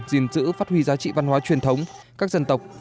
gìn giữ phát huy giá trị văn hóa truyền thống các dân tộc